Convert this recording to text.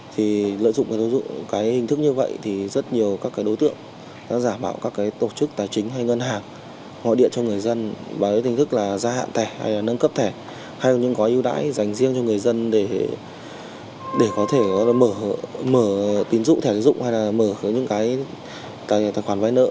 thì lợi dụng cái hình thức như vậy thì rất nhiều các cái đối tượng đã giả bảo các cái tổ chức tài chính hay ngân hàng hội điện cho người dân bằng cái hình thức là gia hạn thẻ hay là nâng cấp thẻ hay là những quái ưu đãi dành riêng cho người dân để có thể mở tín dụng thẻ tín dụng hay là mở những cái tài khoản phòng